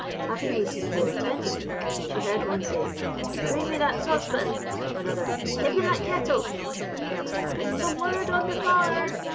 Having listened more attentively, she heard one say, "Bring me that saucepan;" another, "Give me that kettle;" another, "Put some wood on the fire."